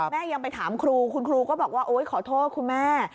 ยังไปถามครูคุณครูก็บอกว่าโอ๊ยขอโทษคุณแม่